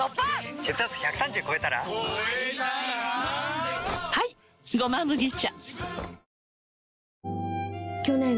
血圧１３０超えたら超えたらはい「胡麻麦茶」